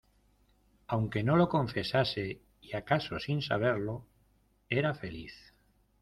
aunque no lo confesase, y acaso sin saberlo , era feliz